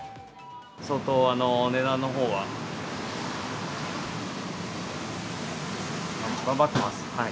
相当、値段のほうは頑張ってます。